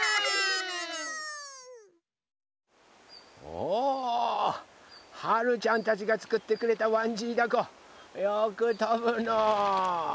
おはるちゃんたちがつくってくれたわんじいだこよくとぶのう。